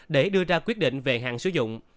để đưa ra quyết định về hạn sử dụng